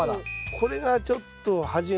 これがちょっと端が。